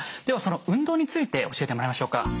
ではその運動について教えてもらいましょうか。